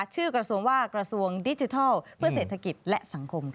กระทรวงว่ากระทรวงดิจิทัลเพื่อเศรษฐกิจและสังคมค่ะ